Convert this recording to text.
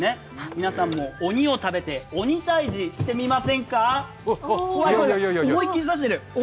皆さんも鬼を食べて鬼退治してみませんか？